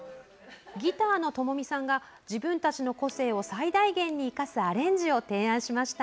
ギターのともみさんが自分たちの個性を最大限に生かすアレンジを提案しました。